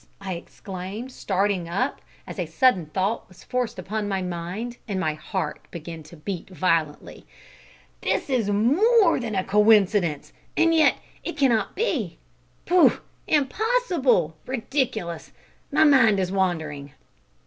I exclaimed, starting up, as a sudden thought was forced upon my mind, and my heart began to beat violently, "this is more than a coincidence; and yet it cannot be pooh! impossible! ridiculous! My mind is wandering."